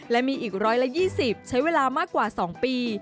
และมีอีก๑๒๐ใช้เวลามากกว่า๒ปี